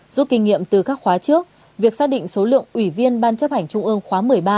rút kinh nghiệm từ các khóa trước việc xác định số lượng ủy viên ban chấp hành trung ương khóa một mươi ba